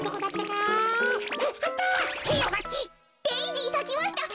デージーさきました。